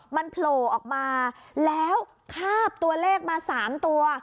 มันโผล่ออกมาแล้วคาบตัวเลขมา๓ตัว